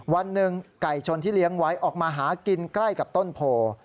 วันหนึ่งไก่ชนที่เลี้ยงไว้ออกมาหากินใกล้กับต้นโพ